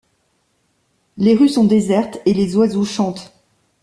Les rues sont désertes, et les oiseaux chantent.